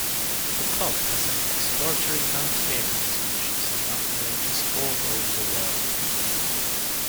The club has sent exploratory mountaineering expeditions to mountain ranges all over the world.